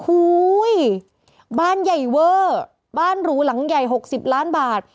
บ้านใหญ่เวอร์บ้านหรูหลังใหญ่๖๐ล้านบาท